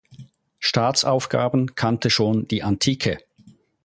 Staatsaufgaben kannte schon die Antike.